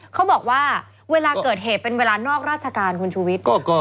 เขาบอกว่าเวลาเกิดเหตุเป็นเวลานอกราชการคุณชูวิทย์